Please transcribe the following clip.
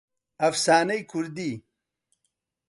ئەفسانەی کوردی